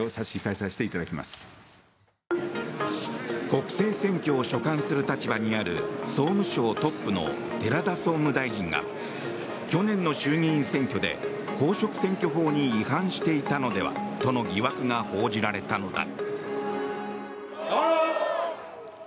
国政選挙を所管する立場にある総務省トップの寺田総務大臣が去年の衆議院選挙で公職選挙法に違反していたのではとの疑惑が報じられたのだ。